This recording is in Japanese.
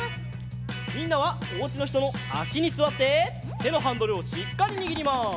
みんなはおうちのひとのあしにすわっててのハンドルをしっかりにぎります。